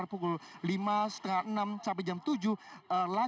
dan ketiga sebenarnya